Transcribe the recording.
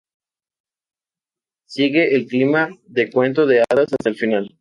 Sigue el clima de cuento de hadas hasta el final.